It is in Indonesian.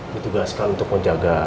dituagaskan untuk menjaga